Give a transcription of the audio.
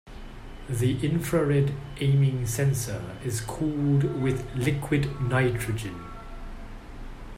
The infrared aiming sensor is cooled with liquid nitrogen.